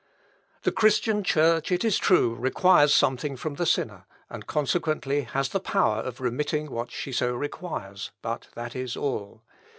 "The Christian Church, it is true, requires something from the sinner, and consequently has the power of remitting what she so requires, but that is all.